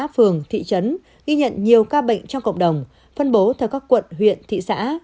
phường thị trấn ghi nhận nhiều ca bệnh trong cộng đồng phân bố theo các quận huyện thị xã